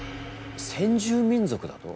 先住民族だと？